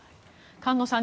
菅野さん